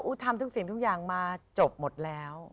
ทำทุกสิ่งทุกอย่างมาจบหมดแล้ว